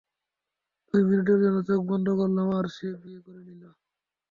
দুই মিনিটের জন্য চোখ বন্ধ করলাম আর সে বিয়ে করে নিল।